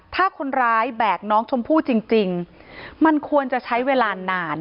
ถ้าคนร้ายแบกน้องชมพู่จริงมันควรจะใช้เวลานาน